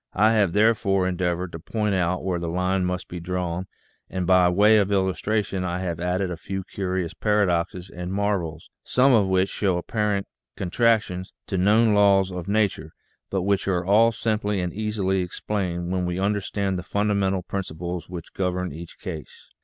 I have therefore endeavored to point out where the line must be drawn, and by way of illustration I have added a few curious paradoxes and marvels, some of which show apparent contradictions to known laws of nature, but which are all simply and easily explained when we understand the fundamental principles which govern each case.